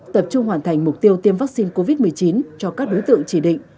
tập trung hoàn thành mục tiêu tiêm vaccine covid một mươi chín cho các đối tượng chỉ định